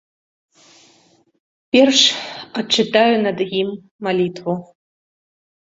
Перш адчытаю над ім малітву.